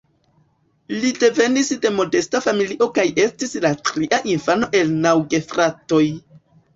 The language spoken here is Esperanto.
Li devenis de modesta familio kaj estis la tria infano el naŭ gefratoj.